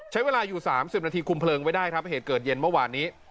ใช้เวลาอยู่๓๐นาทีคุมเพลิงไว้ได้ครับเหตุเกิดเย็นเมื่อวานนี้